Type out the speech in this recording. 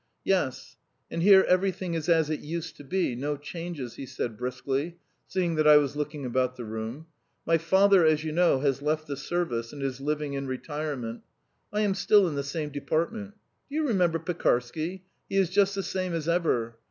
"Yes. And here everything is as it used to be no changes," he said briskly, seeing that I was looking about the room. "My father, as you know, has left the service and is living in retirement; I am still in the same department. Do you remember Pekarsky? He is just the same as ever.